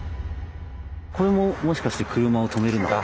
これももしかして車を止めるな？